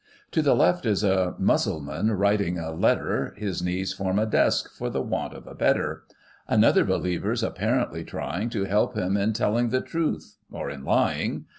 To the left is a Mussulman writing a letter, His knees form a desk, for the want of a better ; Another believer's apparently trying To help him in telling the truth, or in lying.